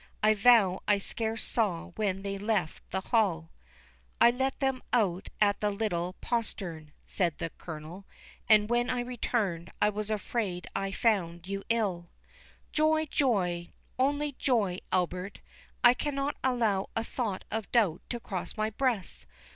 I vow I scarce saw when they left the hall." "I let them out at the little postern," said the Colonel; "and when I returned, I was afraid I had found you ill." "Joy—joy, only joy, Albert—I cannot allow a thought of doubt to cross my breast.